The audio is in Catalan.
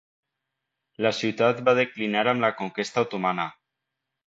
La ciutat va declinar amb la conquesta otomana.